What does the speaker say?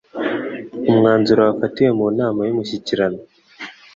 umwanzuro wafatiwe mu nama y'Umushyikirano